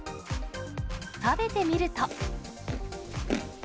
食べてみると。